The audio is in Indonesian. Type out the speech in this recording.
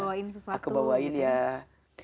aku bawain sesuatu